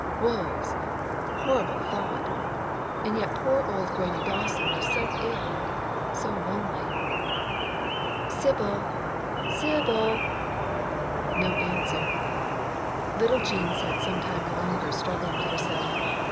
Wolves! Horrible thought! And yet poor old Grannie Dawson was so ill, so lonely. 'Sibyl! Sibyl!' No answer. Little Jean sat some time longer struggling with herself.